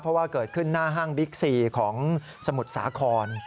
เพราะว่าเกิดขึ้นหน้าห้างบิ๊กซีของสมุทรสาคร